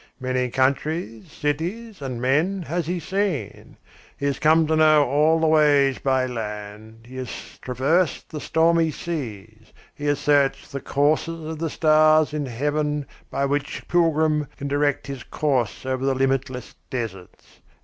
Many countries, cities and men has he seen. He has come to know all the ways by land; he has traversed the stormy seas; he has searched the courses of the stars in heaven by which a pilgrim can direct his course in the limitless deserts.